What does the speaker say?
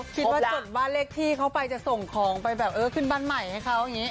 จดบ้านเลขที่เขาไปจะส่งของไปแบบเออขึ้นบ้านใหม่ให้เขาอย่างนี้